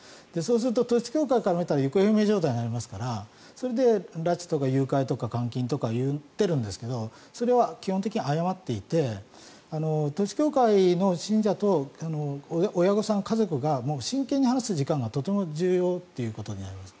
統一教会から見たら行方不明状態になりますから拉致とか誘拐とか監禁とか言ってるんですがそれは基本的に誤っていて統一教会の信者と親御さん、家族が真剣に話す時間がとても重要ということになります。